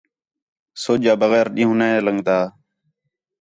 سُج آ بغیر ݙِین٘ہوں نے لنڳدا